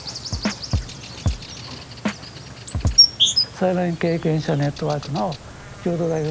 裁判員経験者ネットワークの共同代表